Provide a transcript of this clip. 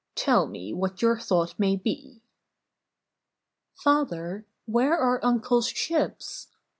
"Tell me what your thought may be!" "Father, where are Uncle's ships?"